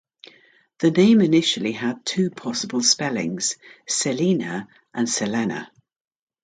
The name initially had two possible spellings: Selina and Selena.